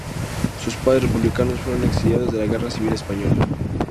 Sus padres republicanos fueron exiliados de la Guerra Civil Española.